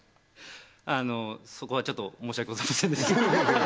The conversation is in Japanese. あのそこはちょっと申し訳ございませんでした